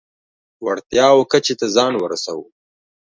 وړتیاوو کچه ته ځان ورسوو.